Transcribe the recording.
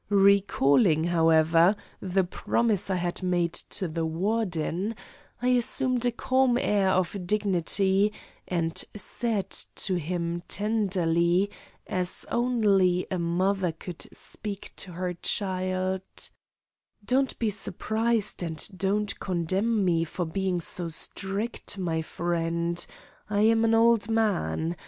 Recalling, however, the promise I had made to the Warden, I assumed a calm air of dignity and said to him tenderly, as only a mother could speak to her child: "Don't be surprised and don't condemn me for being so strict, my friend. I am an old man.